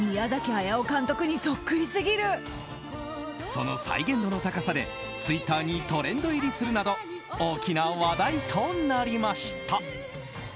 その再現度の高さでツイッターにトレンド入りするなど大きな話題となりました。